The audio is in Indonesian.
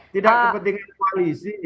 tidak kepentingan koalisi